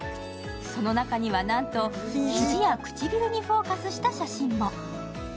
その中には、なんと肘や唇にフォーカスした写真も。